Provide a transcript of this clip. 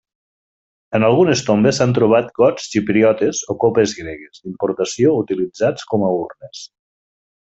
En algunes tombes s'han trobat gots xipriotes o copes gregues d'importació utilitzats com a urnes.